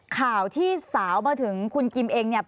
ข่าวที่สาวมาถึงคุณกิมเองเนี่ย